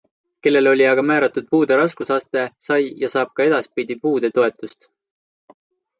Kellele oli aga määratud puude raskusaste, sai ja saab ka edaspidi puudetoetust.